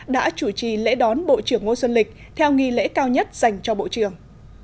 đã chủ trì lễ đón bộ trưởng ngô xuân lịch theo nghi lễ cao nhất dành cho bộ trưởng